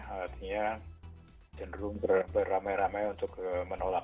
artinya cenderung beramai ramai untuk menolak